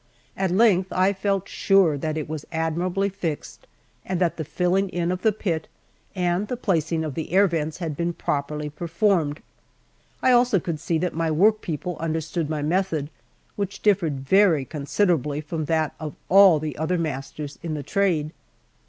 At length, I felt sure that it was admirably fixed, and that the filling in of the pit and the placing of the air vents had been properly performed. I also could see that my work people understood my method, which differed very considerably from that of all the other masters in the trade.